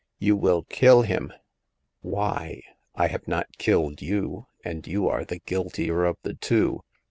" You will kill him !"Why ? I have not killed you, and you are the guiltier of the two.